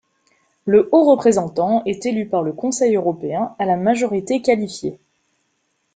Le haut représentant est élu par le Conseil européen à la majorité qualifiée.